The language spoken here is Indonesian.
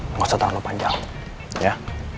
nggak usah terlalu panjang ya